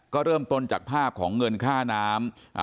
ก็เริ่มต้นจากภาพของเงินค่าน้ำ